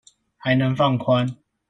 還能放寬